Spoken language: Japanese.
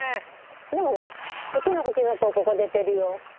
でもうちのフキノトウここ出てるよ。